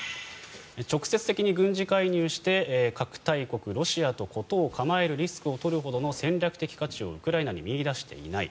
直接的に軍事介入して核大国ロシアと事を構えるリスクを取るほどの戦略的価値をウクライナに見いだしていない。